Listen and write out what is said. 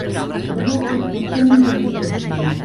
Diverses persones en una piscina.